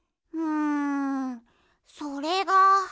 うんそれが。